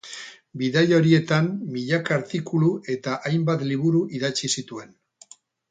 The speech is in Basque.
Bidaia horietan milaka artikulu eta hainbat liburu idatzi zituen.